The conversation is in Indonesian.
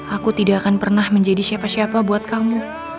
aku tidak akan pernah menjadi siapa siapa buat kamu